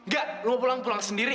gak lu mau pulang pulang sendiri